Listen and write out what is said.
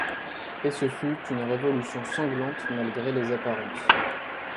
Et ce fut une révolution sanglante, malgré les apparences.